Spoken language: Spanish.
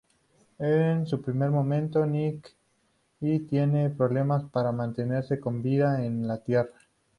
En un primer momento, Nicky tiene problemas para mantenerse con vida en la Tierra.